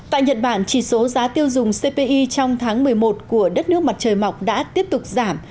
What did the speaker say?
tại nhật bản chỉ số giá tiêu dùng cpi trong tháng một mươi một của đất nước mặt trời mọc đã tiếp tục giảm